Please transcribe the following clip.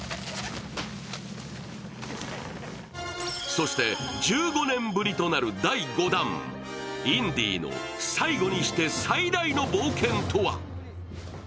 そして１５年ぶりとなる第５弾、インディの最後にして最大の冒険とは？